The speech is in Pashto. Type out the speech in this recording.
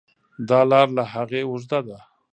دا لار له هغې اوږده ده.